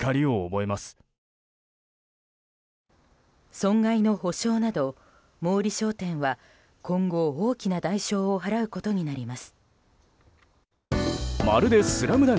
損害の補償など、毛利商店は今後、大きな代償を払うことになります。